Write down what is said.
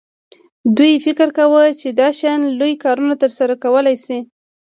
دوی فکر کاوه چې دا شیان لوی کارونه ترسره کولی شي